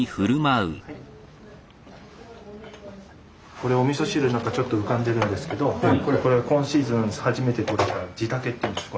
これおみそ汁の中ちょっと浮かんでるんですけどこれ今シーズン初めて採ったジダケっていうんです。